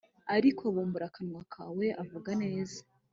Ariko ubumbura akanwa kawe uvuga nezaa